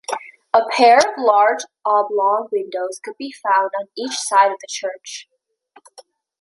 A pair of large oblong windows could be found on each side of the church.